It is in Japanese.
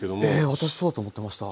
私そうだと思ってました。